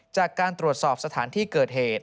จากการตรวจสอบสถานที่เกิดเหตุ